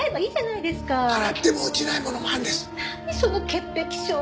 いいじゃないですか雰囲気で。